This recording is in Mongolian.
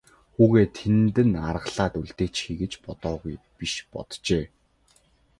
Хүүгээ тэнд нь аргалаад үлдээчихье гэж бодоогүй биш боджээ.